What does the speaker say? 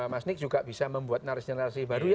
mas nick juga bisa membuat narasi narasi baru